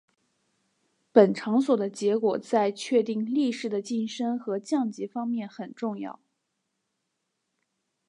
本场所的结果在确定力士的晋升和降级方面很重要。